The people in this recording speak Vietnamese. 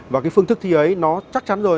và cái phương thức thi ấy nó chắc chắn rồi